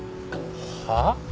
はあ？